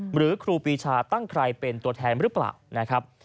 หรือครูปีชาปุ๊ตั้งใครเป็นตัวแทงหรือเปล่า